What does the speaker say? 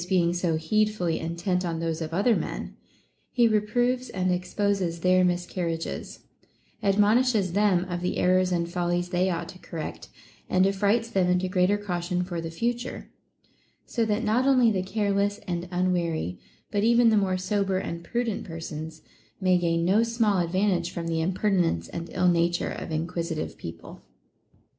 427 being so needfully intent on those of other men, he re proves and exposes their miscarriages, admonishes them of the errors and follies they ought to correct, and affrights them into greater caution for the future ; so that not only the careless and unwary, but even the more sober and pru dent persons, may gain no small advantage from the im pertinence and ill nature of inquisitive people.